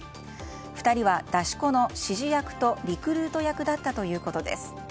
２人は出し子の指示役とリクルート役だったということです。